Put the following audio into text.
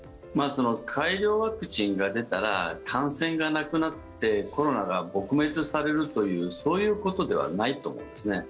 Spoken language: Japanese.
改良ワクチンが出たら感染がなくなってコロナが撲滅されるというそういうことではないと思うんですね。